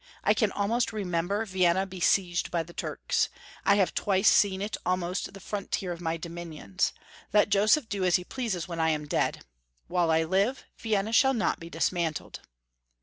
I can almost remember Vienna besieged by the Turks. I have twice seen it almost the frontier of my dominions. Let Joseph do as he pleases when I am dead. While I live, Vienna shall not be dis mantled."